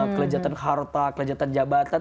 kelezatan harta kelezatan jabatan